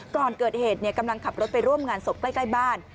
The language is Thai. ก่อนเกิดเหตุกำลังขับรถไปร่วมงานศพใกล้บ้าน